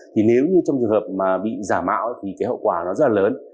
thì nếu như trong trường hợp mà bị giả mạo thì cái hậu quả nó rất là lớn